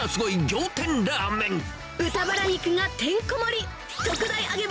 仰天ラ豚バラ肉がてんこ盛り。